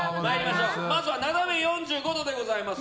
まずはななめ４５°でございます。